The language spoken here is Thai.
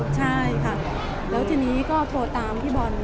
ใช่ค่ะแล้วทีนี้ก็โทรตามพี่บอล